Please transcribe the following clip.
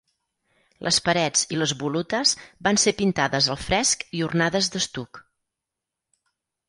Les parets i les volutes van ser pintades al fresc i ornades d'estuc.